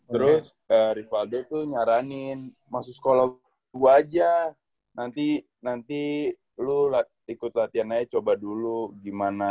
terus rivaldo tuh nyaranin masuk sekolah gue aja nanti nanti lu ikut latihan aja coba dulu gimana